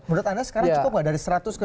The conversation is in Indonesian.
menurut anda sekarang cukup nggak dari seratus ke